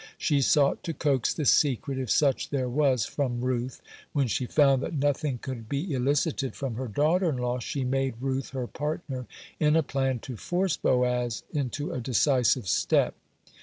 She sought to coax the secret, if such there was, from Ruth. (56) When she found that nothing could be elicited from her daughter in law, she made Ruth her partner in a plan to force Boaz into a decisive step.